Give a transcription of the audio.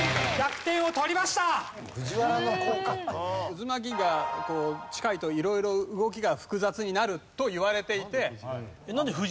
渦巻きが近いと色々動きが複雑になるといわれていて。